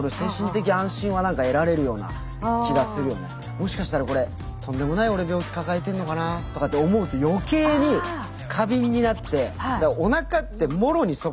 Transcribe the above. もしかしたらこれとんでもない俺病気抱えてんのかなとかって思うと余計に過敏になって。